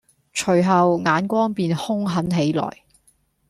隨後眼光便凶狠起來，